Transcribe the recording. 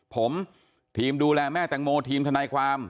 ผมทีมดูแลแม่แตงโมทีมทนายความ